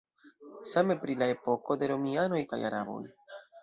Same pri la epoko de romianoj kaj araboj.